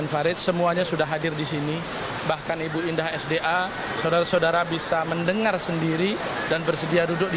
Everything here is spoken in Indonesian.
dan sama sama berkeinginan untuk berpapisipasi